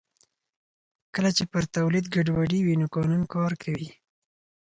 کله چې پر تولید ګډوډي وي نو قانون کار کوي